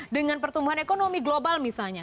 dengan pertumbuhan ekonomi global misalnya